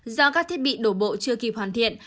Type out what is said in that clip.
do các thiết bị đổ bộ chưa kịp hoàn thiện